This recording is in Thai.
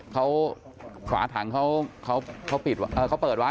เขาฝาถังเขาเปิดไว้